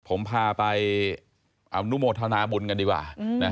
ผมพาไปอนุโมทนาบุญกันดีกว่า